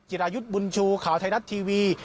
รายุทธ์บุญชูข่าวไทยรัฐทีวี